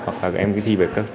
hoặc các em kỳ thi bởi các trường